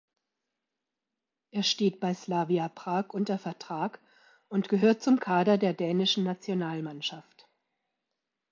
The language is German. Er steht bei Slavia Prag unter Vertrag und gehört zum Kader der dänischen Nationalmannschaft.